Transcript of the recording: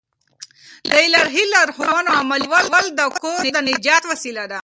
د الهي لارښوونو عملي کول د کور د نجات وسیله ده.